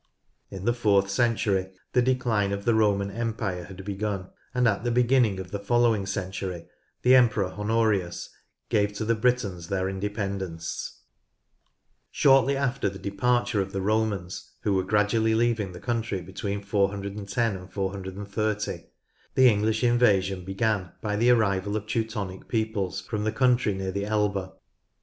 In the fourth century the decline of the Roman empire had begun, and at the beginning of the following century the Emperor Honorius gave to the Britons their independence. 108 NORTH LANCASHIRE Shortly after the departure of the Romans, who were gradually leaving the country between 410 and 430, the English invasion began by the arrival of Teutonic peoples from the country near the Elbe.